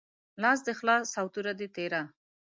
لاس دي خلاص او توره دي تیره